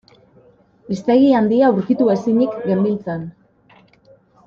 Hiztegi handia aurkitu ezinik genbiltzan.